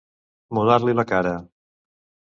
Mudar-li la cara.